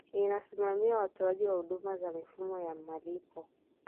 inasimamia watoaji wa huduma za mifumo ya malipo